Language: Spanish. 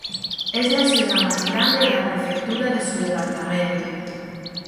Es la ciudad más grande y la prefectura de su departamento.